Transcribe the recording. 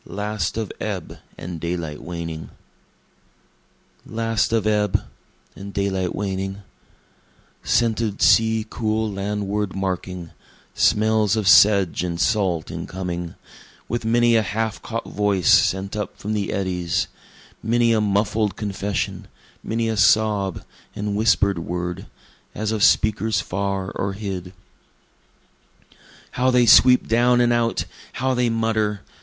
[IV] Last of Ebb, and Daylight Waning Last of ebb, and daylight waning, Scented sea cool landward making, smells of sedge and salt incoming, With many a half caught voice sent up from the eddies, Many a muffled confession many a sob and whisper'd word, As of speakers far or hid. How they sweep down and out! how they mutter!